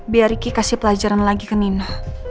biar riki kasih pelajaran lagi ke nina